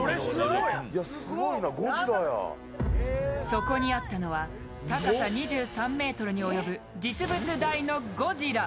そこにあったのは高さ２３ｍに及ぶ実物大のゴジラ。